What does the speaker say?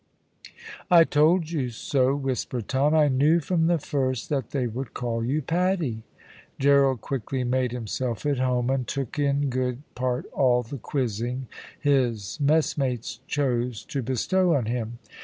"I told you so," whispered Tom. "I knew from the first that they would call you Paddy." Gerald quickly made himself at home, and took in good part all the quizzing his messmates chose to bestow on him.